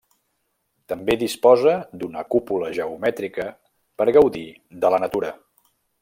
També disposa d'una cúpula geomètrica per gaudir de la natura.